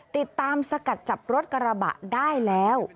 ติดตามสกัดจับรถกระบะได้แล้ว